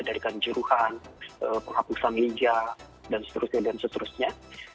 dari kan juruhan penghapusan media dan seterusnya dan seterusnya